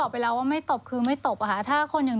เพราะว่าถ้าตบเนี่ยต้องมีรอยบ้าง